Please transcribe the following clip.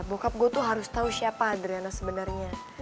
bokap gue tuh harus tahu siapa adriana sebenarnya